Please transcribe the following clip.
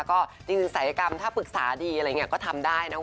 ก็จริงศัยกรรมถ้าปรึกษาดีอะไรอย่างนี้ก็ทำได้นะ